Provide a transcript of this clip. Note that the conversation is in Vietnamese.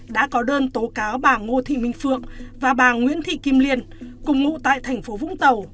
đã có đơn tố cáo bà ngô thị minh phượng và bà nguyễn thị kim liên cùng ngụ tại thành phố vũng tàu